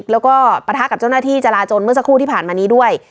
แล้วก็ปะทะกับเจ้าหน้าที่จราจนเมื่อสักครู่ที่ผ่านมานี้ด้วย